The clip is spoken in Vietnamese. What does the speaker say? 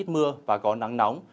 ít mưa và có nắng nóng